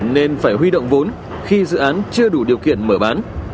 nên phải huy động vốn khi dự án chưa đủ điều kiện mở bán